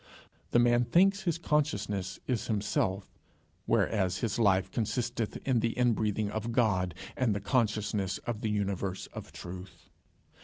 The man thinks his consciousness is himself; whereas his life consisteth in the inbreathing of God, and the consciousness of the universe of truth.